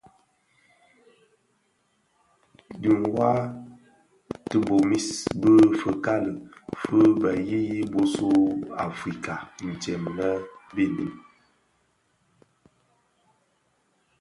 Dhi ňwad tibomis bi fikalèn fi bë yiyis bisu u Afrika ntsem mbiň.